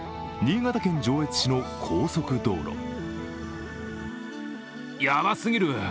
新潟県上越市の高速道路。